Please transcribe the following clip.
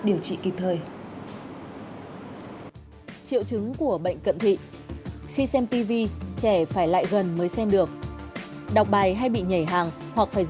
điều trị kịp thời